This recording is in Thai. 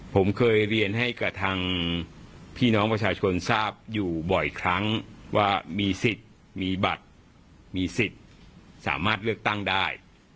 ผมเคยเรียนให้กับทางพี่น้องประชาชนทราบอยู่บ่อยครั้งว่ามีสิทธิ์มีบัตรมีสิทธิ์สามารถเลือกตั้งได้